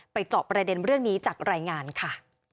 เจาะประเด็นเรื่องนี้จากรายงานค่ะ